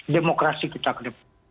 demokrasi kita ke depan